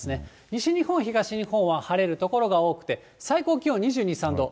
西日本、東日本は晴れる所が多くて最高気温２２、３度。